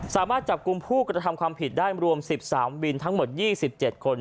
สามารถจับกลุ่มผู้กระทำความผิดได้รวม๑๓วินทั้งหมด๒๗คน